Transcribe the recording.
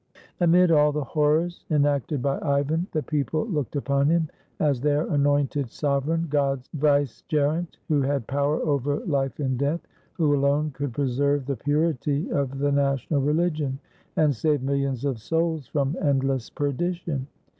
Amid all the horrors enacted by Ivan, the people looked upon him as their anointed sovereign, God's vice gerent, who had power over life and death, who alone could preserve the purity of the national religion, and save millions of souls from endless perdition.